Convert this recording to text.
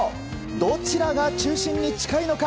どちらが中心に近いのか？